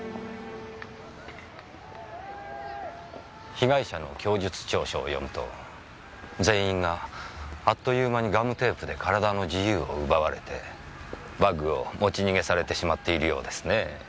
被害者の供述調書を読むと全員があっという間にガムテープで体の自由を奪われてバッグを持ち逃げされているようですね。